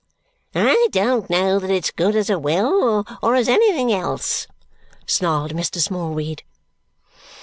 "I don't know that it's good as a will or as anything else," snarled Mr. Smallweed.